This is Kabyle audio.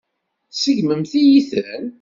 Tseggmemt-iyi-ten.